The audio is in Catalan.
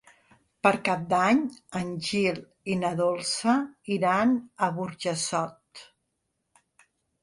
Per Cap d'Any en Gil i na Dolça iran a Burjassot.